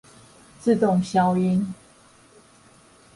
自動消音